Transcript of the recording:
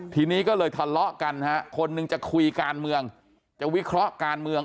ทีนี้ก็เลยทะเลาะกันฮะคนหนึ่งจะคุยการเมืองจะวิเคราะห์การเมือง